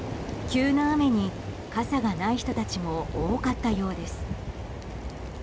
急な雨に傘がない人たちも多かったようです。